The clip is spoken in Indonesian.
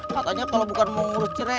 katanya kalau bukan mau ngurus cere